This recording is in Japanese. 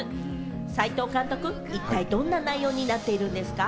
齊藤監督、一体どんな内容になっているんですか？